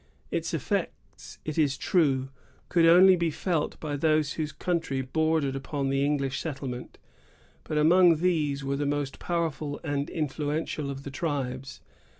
Its effects, it is true, could only be felt by those whose country bordered upon the English settlements; but among these were the most powerful and influential of the tribes.